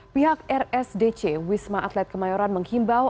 pihak rsdc wisma atlet kemayoran menghimbau